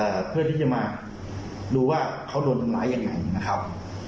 เพื่อที่จะมาดูว่าเขาโดนทำร้ายยังไงนะครับ